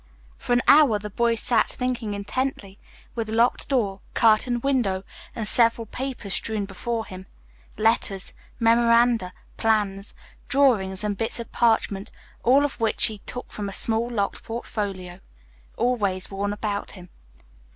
For an hour the boy sat thinking intently, with locked door, curtained window, and several papers strewn before him. Letters, memoranda, plans, drawings, and bits of parchment, all of which he took from a small locked portfolio always worn about him.